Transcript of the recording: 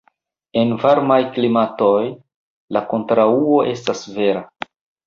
En varmaj klimatoj, la kontraŭo estas vera.